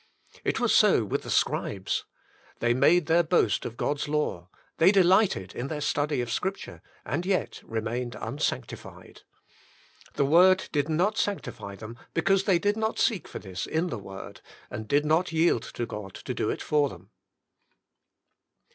It was so with the scribes. They made their boast of God's law; they delighted in their study of Scripture and yet remained unsanctified. The word did not sanctify them, because they did not seek for this in the word, and did not yield to God to do it for them.